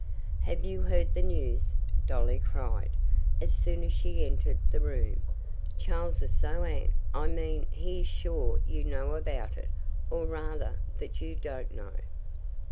"Have you heard the news?" Dolly cried, as soon as she entered the room. "Charles is so ang I mean he is sure you know about it, or rather, that you don't know."